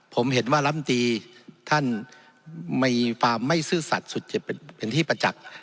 ผมเห็นว่าลำตีท่านมีความไม่ซื่อสัตว์สุดเป็นที่ประจักษ์